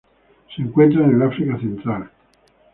Se encuentra en el África central.